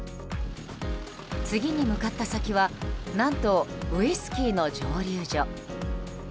次に向かった先は何と、ウイスキーの蒸留所。